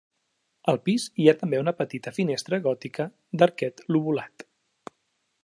Al pis hi ha també una petita finestra gòtica d'arquet lobulat.